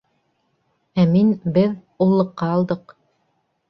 Ә мин... беҙ... уллыҡҡа алдыҡ.